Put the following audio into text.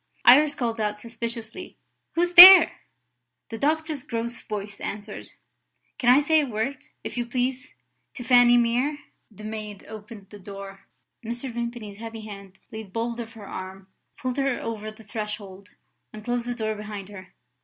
Iris called out suspiciously: "Who's there?" The doctor's gross voice answered: "Can I say a word, if you please, to Fanny Mere?" The maid opened the door. Mr. Vimpany's heavy hand laid bold of her arm, pulled her over the threshold, and closed the door behind her.